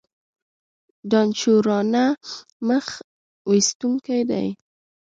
دانشورانه مخ ویستونکی دی.